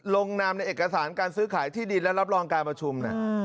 ลงนามในเอกสารการซื้อขายที่ดินและรับรองการประชุม